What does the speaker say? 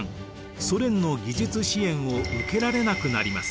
ソ連の技術支援を受けられなくなります。